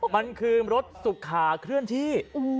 มันคือรถสุขาเคลื่อนที่